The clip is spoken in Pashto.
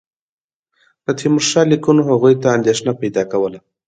د تیمورشاه لیکونو هغوی ته اندېښنه پیدا کوله.